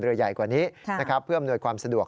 ใหญ่กว่านี้นะครับเพื่ออำนวยความสะดวก